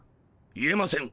言えません。